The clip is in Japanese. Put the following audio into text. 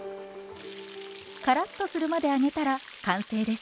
カラッとするまで揚げたら完成です。